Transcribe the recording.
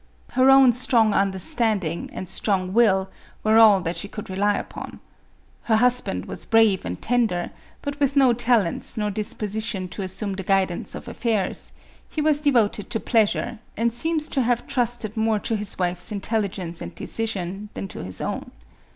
Her own strong understanding and strong will were all that she could rely upon. Her husband was brave and tender, but with no talents nor disposition to assume the* guidance of affairs ; he was devoted to pleasure, and seems to have trusted more to his wife's intelli gence and decision, than to his own.